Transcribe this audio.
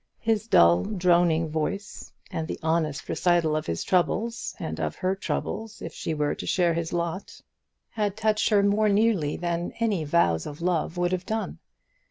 His dull droning voice, and the honest recital of his troubles, and of her troubles if she were to share his lot, had touched her more nearly than any vows of love would have done.